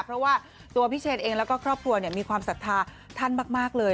เพราะว่าตัวพี่เชนเองแล้วก็ครอบครัวมีความศรัทธาท่านมากเลย